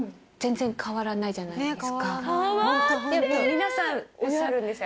皆さんおっしゃるんですよ。